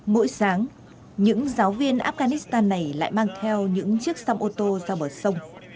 mỗi sáng những giáo viên afghanistan này lại mang theo những chiếc xăm ô tô ra bờ sông